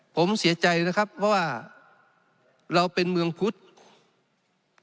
ผมเสียใจนะครับเพราะว่าเราเป็นเมืองพุทธ